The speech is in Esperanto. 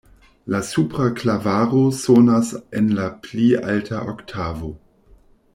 La supra klavaro sonas en la pli alta oktavo.